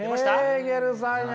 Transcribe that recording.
ヘーゲルさんや。